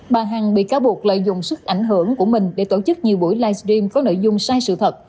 bà hằng bị cáo buộc lợi dụng sức ảnh hưởng của mình để tổ chức nhiều buổi livestream có nội dung sai sự thật